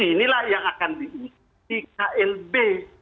inilah yang akan diisi klb